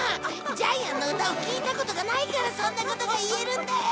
ジャイアンの歌を聴いたことがないからそんなことが言えるんだよ！